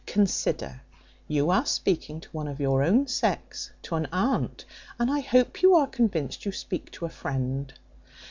"Consider, you are speaking to one of your own sex, to an aunt, and I hope you are convinced you speak to a friend.